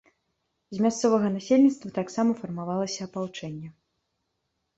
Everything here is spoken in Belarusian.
З мясцовага насельніцтва таксама фармавалася апалчэнне.